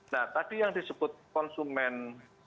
nah tadi yang disebut konsumen